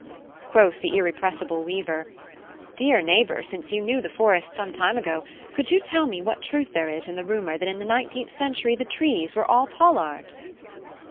Quoth the irrepressible weaver: "Dear neighbour, since you knew the Forest some time ago, could you tell me what truth there is in the rumour that in the nineteenth century the trees were all pollards?"